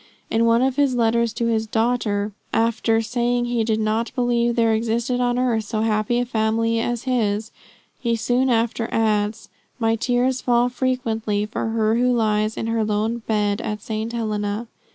In one of his letters to his daughter, after saying he did not believe there existed on earth so happy a family as his, he soon after adds: 'My tears fall frequently for her who lies in her lone bed at St. Helena.'